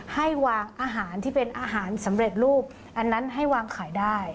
ให้วางอาหารที่เป็นอาหารสำเร็จรูปอันนั้นให้วางขายได้